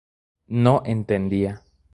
No entendía.